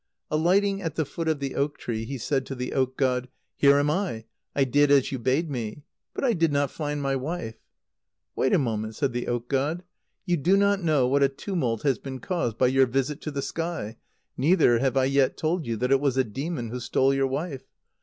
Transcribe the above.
Alighting at the foot of the oak tree, he said to the oak god: "Here am I. I did as you bade me. But I did not find my wife." "Wait a moment," said the oak god; "you do not know what a tumult has been caused by your visit to the sky, neither have I yet told you that it was a demon who stole your wife.